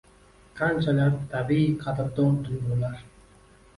Qanchalar tabiiy, qadrdon tuyg`ular